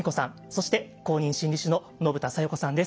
そして公認心理師の信田さよ子さんです。